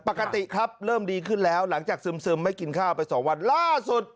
ปกติครับเริ่มดีขึ้นแล้วหลังจากซึมไม่กินข้าวไปสองวันล่าสุด